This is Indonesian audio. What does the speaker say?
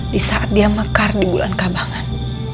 di saat dia mekar di bulan kabangan